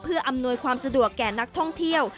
เพื่ออำนวยความสะดวกแก่นักท่องเที่ยว